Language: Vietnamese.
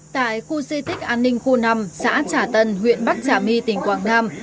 tại khu xô tích an ninh khu năm xã trả tân huyện bắc trả my tỉnh quảng nam